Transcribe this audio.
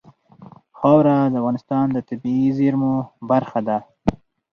خاوره د افغانستان د طبیعي زیرمو برخه ده.